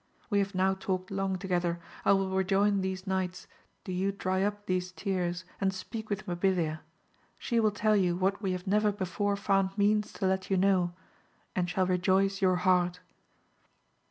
We have now talked long together, I will rejoin these knights, do you dry up these tears, and speak with Mabilia. She will tell you what we have never before found means to let you know, and shall rejoice your heart.